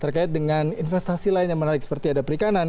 terkait dengan investasi lain yang menarik seperti ada perikanan